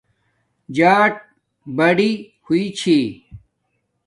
جݳٹبڑئ ہݸئئ چھّی